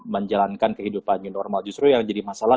menjalankan kehidupan new normal justru yang jadi masalah